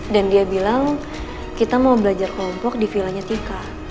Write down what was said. dan dia bilang kita mau belajar kelompok di vilanya tika